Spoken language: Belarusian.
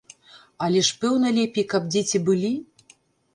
Але ж, пэўна, лепей, каб дзеці былі?